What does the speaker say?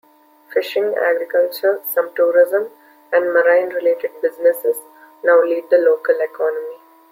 Fishing, agriculture, some tourism and marine related businesses now lead the local economy.